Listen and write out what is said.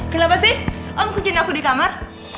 kenapa sih om kucing aku di kamar